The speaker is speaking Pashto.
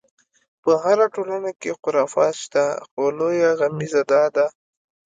په هره ټولنه کې خرافات شته، خو لویه غمیزه دا ده.